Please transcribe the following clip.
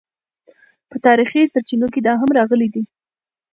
په تاریخي سرچینو کې دا هم راغلي دي.